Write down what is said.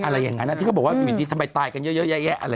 อะไรอย่างนั้นที่ก็บอกว่าวินดีทำไมตายกันเยอะแยะอะไรอย่างนี้น่ะ